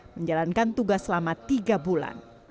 menjalankan tugas selama tiga bulan